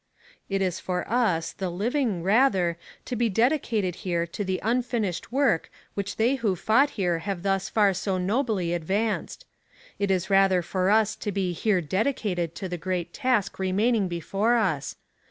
It is for us the living, rather, to be dedicated here to the unfinished work which they who fought here have thus far so nobly advanced. It is rather for us to be here dedicated to the great task remaining before us.